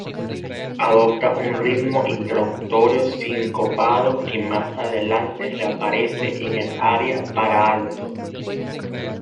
Adopta un ritmo introductorio sincopado que más adelante reaparece en el aria para alto.